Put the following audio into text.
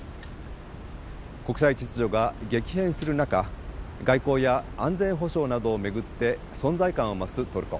国際秩序が激変する中外交や安全保障などを巡って存在感を増すトルコ。